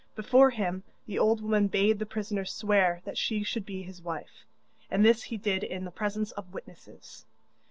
Before him the old woman bade the prisoner swear that she should be his wife, and this he did in the presence of witnesses.